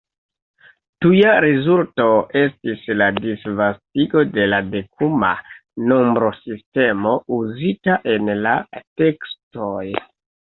Tuja rezulto estis la disvastigo de la dekuma nombrosistemo uzita en la tekstoj.